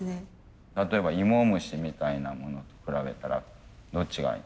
例えば芋虫みたいなものと比べたらどっちが。